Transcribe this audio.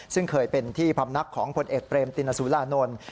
ซึ่งเคยเป็นที่พำนักของผลเอกเปรมตินสุรานนท์